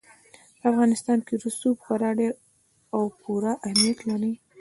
په افغانستان کې رسوب خورا ډېر او پوره اهمیت لري.